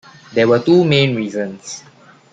There were two main reasons.